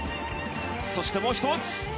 そしてもう１つ。